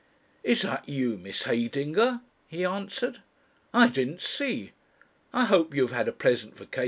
"Is that you, Miss Heydinger?" he answered. "I didn't see, I hope you have had a pleasant vacation."